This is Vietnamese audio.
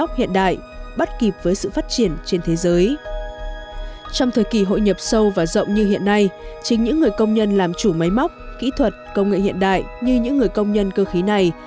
chính những người công nhân làm chủ máy móc kỹ thuật công nghệ hiện đại như những người công nhân cơ khí này